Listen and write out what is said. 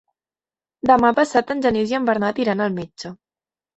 Demà passat en Genís i en Bernat iran al metge.